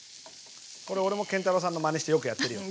これ俺も建太郎さんのまねしてよくやってるよ。